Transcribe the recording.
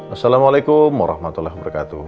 assalamualaikum warahmatullahi wabarakatuh